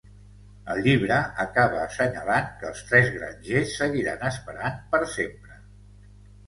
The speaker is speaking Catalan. El llibre acaba assenyalant que els tres grangers seguiran esperant per sempre.